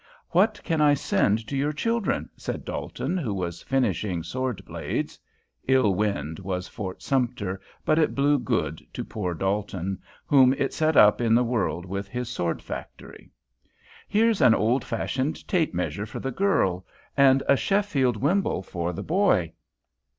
"What can I send to your children?" said Dalton, who was finishing sword blades. (Ill wind was Fort Sumter, but it blew good to poor Dalton, whom it set up in the world with his sword factory.) "Here's an old fashioned tape measure for the girl, and a Sheffield wimble for the boy.